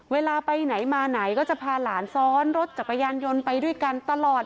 เวลาไปไหนมาไหนก็จะพาหลานซ้อนรถจักรยานยนต์ไปด้วยกันตลอด